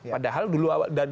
padahal dulu awal awal itu